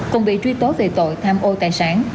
cùng bị truy tố về tội tham ô tài sản